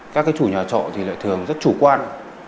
các chủ nhà trọ thường rất chủ quan